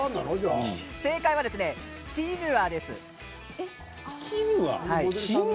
正解はキヌアです。